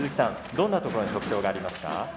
どんなところに特徴がありますか？